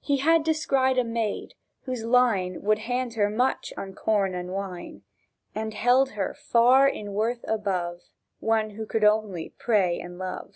(He had descried a maid whose line Would hand her on much corn and wine, And held her far in worth above One who could only pray and love.)